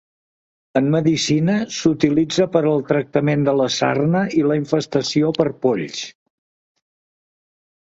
En medicina s'utilitza per al tractament de la sarna i la infestació per polls.